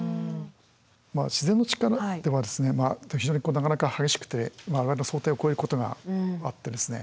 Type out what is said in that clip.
自然の力っていうものは非常になかなか激しくて我々の想定を超えることがあってですね。